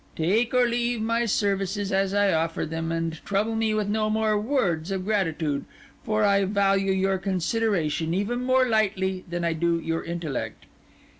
Take or leave my services as I offer them; and trouble me with no more words of gratitude, for I value your consideration even more lightly than I do your intellect.